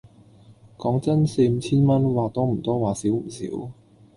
講真，四五千蚊，話多唔多話少唔少